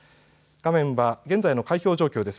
画面は現在の開票状況です。